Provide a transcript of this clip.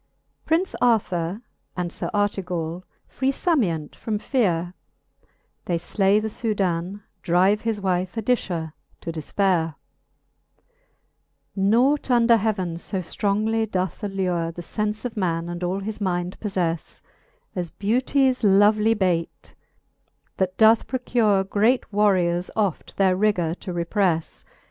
Prince Arthure and Sir Artegall Free Samient from feare : Ihey Jlay the Soudan^ drive his wife Adicia to defpaire, I. NOUGHT under heaven io ftrongly doth allure The fence of man, and all his minde poflefle, As beauties lovely baite, that doth procure Great warriours oft their rigour to reprefle.